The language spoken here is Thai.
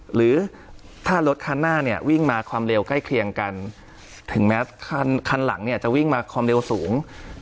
หรือถ้ารถคันหน้าเนี่ยวิ่งมาความเร็วใกล้เคียงกันถึงแม้คันหลังเนี่ยจะวิ่งมาความเร็วสูง